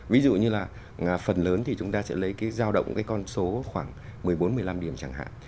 ví dụ như là phần lớn thì chúng ta sẽ lấy cái giao động cái con số khoảng một mươi bốn một mươi năm điểm chẳng hạn